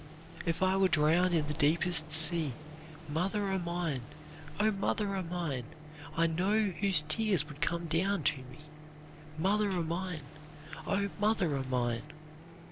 "'If I were drowned in the deepest sea, Mother o' mine, O mother o' mine! I know whose tears would come down to me, Mother o' mine, O mother o' mine!